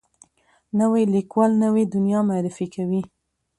نوی لیکوال نوې دنیا معرفي کوي